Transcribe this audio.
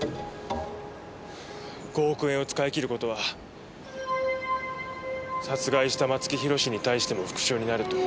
５億円を使い切ることは殺害した松木弘に対しても復讐になると。